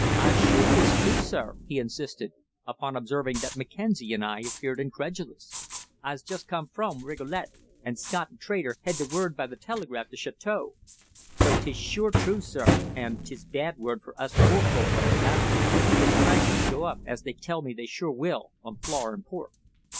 "I's sure 'tis true, sir," he insisted, upon observing that Mackenzie and I appeared incredulous. "I's just come frum Rigolet, an' Scott, th' trader, had th' word by th' telegraph to Chateau. So 'tis sure true, sir, an' 'tis bad word for us poor folk on Th' Labrador, with th' prices to go up, as they tells me they sure will, on flour an' pork."